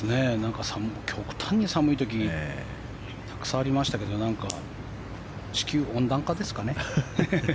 極端に寒い時たくさんありましたけど何か地球温暖化ですかね。